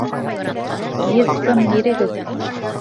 Еҙ сым бирегеҙ!